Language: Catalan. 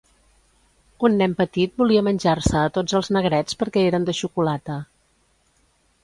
Un nen petit volia menjar-se a tots els negrets perquè eren de xocolata